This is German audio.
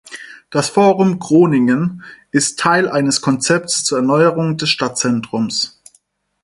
Das Forum Groningen ist Teil eines Konzeptes zur Erneuerung des Stadtzentrums.